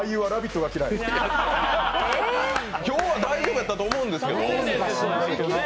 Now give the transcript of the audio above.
今日は大丈夫やったと思うんですけど。